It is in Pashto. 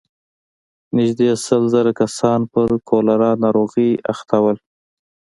نږدې سل زره کسان پر کولرا ناروغۍ اخته وو.